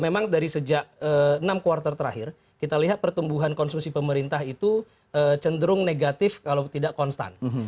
memang dari sejak enam kuartal terakhir kita lihat pertumbuhan konsumsi pemerintah itu cenderung negatif kalau tidak konstan